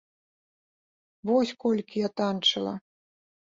Вось колькі я танчыла!